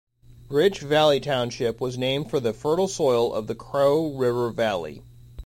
Rich Valley Township was named for the fertile soil of the Crow River valley.